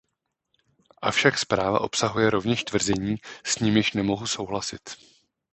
Avšak zpráva obsahuje rovněž tvrzení, s nimiž nemohu souhlasit.